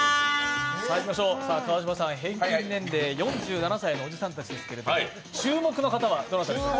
川島さん、平均年齢４７歳のおじさんたちですけど注目の方はどなたですか？